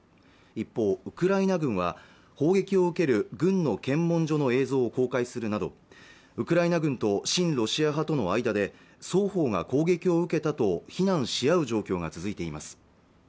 一方ウクライナ軍は攻撃を受ける軍の検問所の映像を公開するなどウクライナ軍と親ロシア派との間で双方が攻撃を受けたと非難し合う状況が続いています